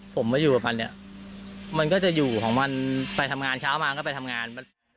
ผมมาอยู่กับมันเนี่ยมันก็จะอยู่ของมันไปทำงานเช้ามาก็ไปทำงาน